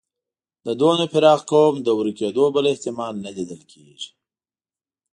د دومره پراخ قوم د ورکېدلو بل احتمال نه لیدل کېږي.